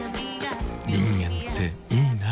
人間っていいナ。